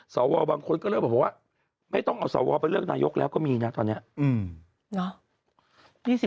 บางคนก็เริ่มบอกว่าไม่ต้องเอาสวไปเลือกนายกแล้วก็มีนะตอนนี้